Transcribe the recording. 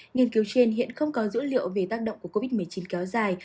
nghiên cứu trên hiện không có dữ liệu về tác động của covid một mươi chín kéo dài